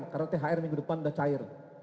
karena thr minggu depan sudah cair